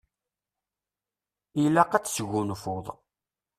Ilaq ad tesgunfuḍ.